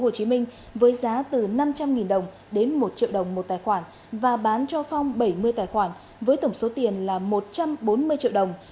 hồ chí minh với giá từ năm trăm linh đồng đến một triệu đồng một tài khoản và bán cho phong bảy mươi tài khoản với tổng số tiền là một trăm bốn mươi triệu đồng